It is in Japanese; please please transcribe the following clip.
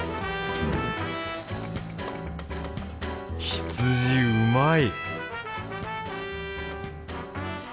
羊うまい！